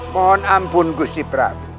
mohon ampun gusiprat